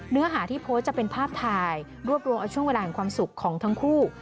เนื้อหาที่โพสต์จะเป็นภาพถ่ายรวบรวมเอาช่วงเวลาแห่งความสุขของทั้งคู่